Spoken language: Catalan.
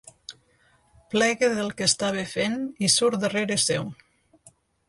Plega del que estava fent i surt darrere seu.